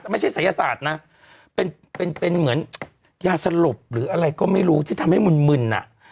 ไม่ใช่ศัยศาสตร์นะเป็นเป็นเหมือนยาสลบหรืออะไรก็ไม่รู้ที่ทำให้มึนอ่ะ